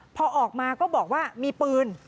พอออกมาก็บอกว่ามีปืน